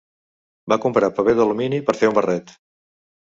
Va comprar paper d'alumini per fer un barret.